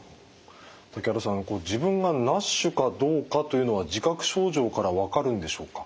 竹原さん自分がＮＡＳＨかどうかというのは自覚症状から分かるんでしょうか？